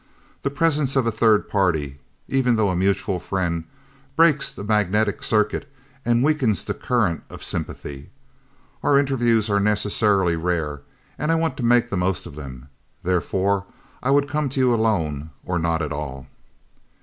The presence of a third party even though a mutual friend breaks the magnetic circuit and weakens the current of sympathy. Our interviews are necessarily rare, and I want to make the most of them; therefore I would come to you alone or not at all."